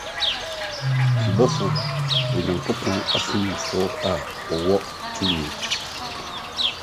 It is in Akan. Abɔfo, Onyankopɔn Asomfo a Wɔwɔ Tumi